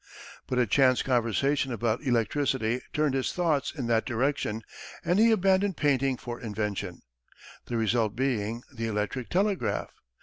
But a chance conversation about electricity turned his thoughts in that direction, and he abandoned painting for invention the result being the electric telegraph.